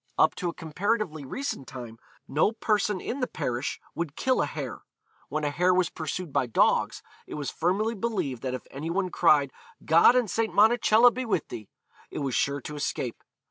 Up to a comparatively recent time, no person in the parish would kill a hare. When a hare was pursued by dogs, it was firmly believed that if any one cried, 'God and St. Monacella be with thee,' it was sure to escape.